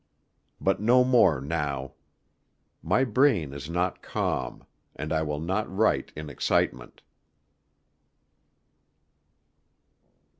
But no more now. My brain is not calm, and I will not write in excitement.